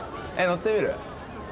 乗ってみる？